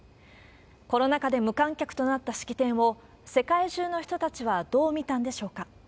コロナ禍で無観客となった式典を、世界中の人たちはどう見たんでしょうか。